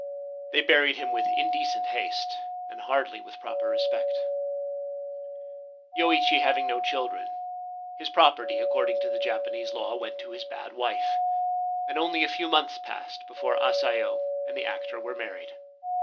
They buried him with indecent haste, and hardly with proper respect. Yoichi having no children, his property, according to the Japanese law, went to his bad wife, and only a few months passed before Asayo and the actor were married.